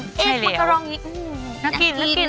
ใช่เลยเอ๊ะเอ๊ะมักรองนี้อืม